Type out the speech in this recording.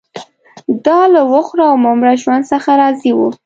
دا له وخوره او مه مره ژوند څخه راضي وو